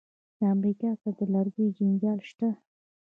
د امریکا سره د لرګیو جنجال شته.